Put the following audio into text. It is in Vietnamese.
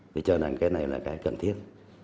thì cho rằng cái này là cái cần thiết